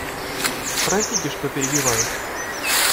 Простите, что перебиваю.